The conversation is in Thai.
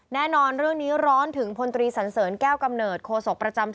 แน่นอนเรื่องนี้ร้อนถึงพนธรรมศร